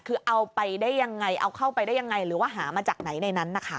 คือเอาไปได้ยังไงเอาเข้าไปได้ยังไงหรือว่าหามาจากไหนในนั้นนะคะ